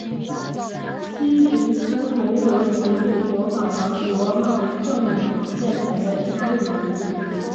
西吉斯蒙德圆柱模仿了罗马圣母大殿前的意大利圆柱。